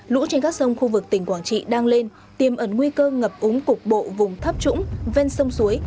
lũ trên các sông khu vực tỉnh quảng trị đang lên tiêm ẩn nguy cơ ngập úng cục bộ vùng thấp trũng ven sông suối